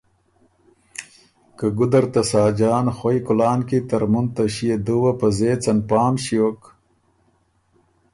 که ګُده ر ته ساجان خوَئ کُلان کی ترمُن ته ݭيې دُوه په زېڅن پام ݭیوک